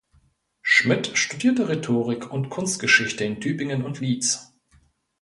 Schmitt studierte Rhetorik und Kunstgeschichte in Tübingen und Leeds.